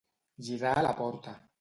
Girar la porta.